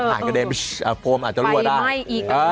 อาจจะลวดได้